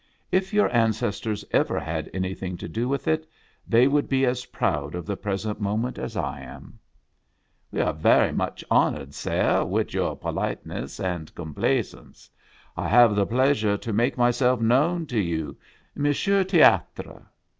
If your ancestors ever had anything to do with it, they would be as proud of the present moment as I am." "We are vera much honored, sare, wid your politesse and complaisance. I have the pleasure to make myself known to you, — Monsieur Teatre."